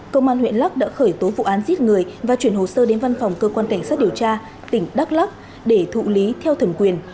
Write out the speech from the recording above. công an huyện lắc đã khởi tố vụ án giết người và chuyển hồ sơ đến văn phòng cơ quan cảnh sát điều tra tỉnh đắk lắc để thụ lý theo thẩm quyền